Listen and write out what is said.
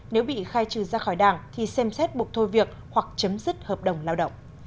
nếu bị khai trừ ra khỏi đảng thì xem xét buộc thôi việc hoặc chấm dứt hợp đồng lao động